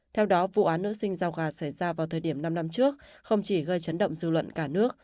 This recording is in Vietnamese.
theo đó vụ án nữ sinh giao gà xảy ra vào thời điểm năm năm trước không chỉ gây chấn động dư luận cả nước